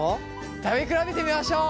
食べ比べてみましょう。